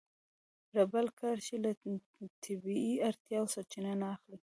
رېل کرښې له طبیعي اړتیاوو سرچینه نه اخلي.